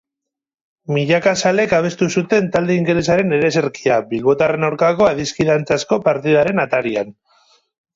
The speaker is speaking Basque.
Milaka zalek abestu zuten talde ingelesaren ereserkia bilbotarren aurkako adiskidantzazko partidaren atarian.